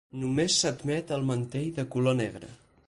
Només s'admet el mantell de color negre.